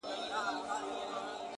د څڼور تصوير چي په لاسونو کي دی-